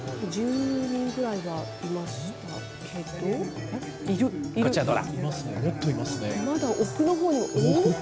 １０人ぐらいはいましたけど？